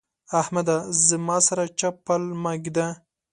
احمده! زما سره چپ پل مه اېږده.